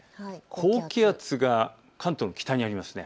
高気圧が関東の北にあります。